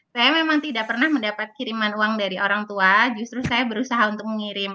saya memang tidak pernah mendapat kiriman uang dari orang tua justru saya berusaha untuk mengirim